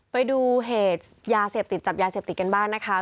ไปดูเหตุยาเสพติดจับยาเสพติดกันบ้างนะคะ